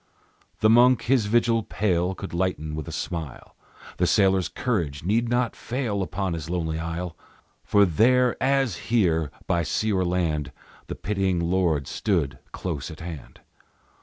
The monk his vigil pale Could lighten with a smile, The sailor's courage need not fail Upon his lonely isle; For there, as here, by sea or land, the pitying Lord stood close at hand.